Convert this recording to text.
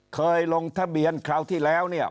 เคยลงทะเบียนคราวที่แล้วเนี่ย